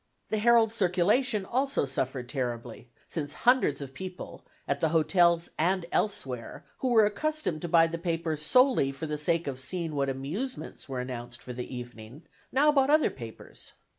The Herald's circulation also suffered terribly, since hundreds of people, at the hotels and elsewhere, who were accustomed to buy the paper solely for the sake of seeing what amusements were announced for the evening, now bought other papers.